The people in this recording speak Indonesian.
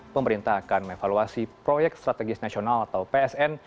pemerintah akan mengevaluasi proyek strategis nasional atau psn